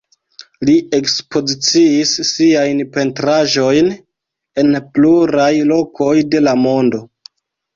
Li ekspoziciis siajn pentraĵojn en pluraj lokoj de la mondo.